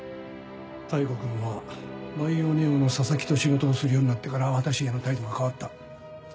妙子君はバイオネオの佐々木と仕事をするようになってから私への態度が変わった。